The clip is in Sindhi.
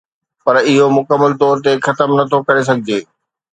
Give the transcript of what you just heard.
پر اهو مڪمل طور تي ختم نٿو ڪري سگهجي